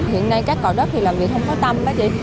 hiện nay các cỏ đất thì làm việc không có tâm